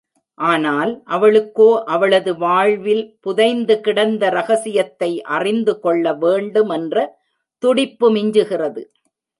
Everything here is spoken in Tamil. ஆனால், அவளுக்கோ அவனது வாழ்வில் புதைந்து கிடந்த ரகசியத்தை அறிந்து கொள்ள வேண்டுமென்ற துடிப்பு மிஞ்சுகிறது.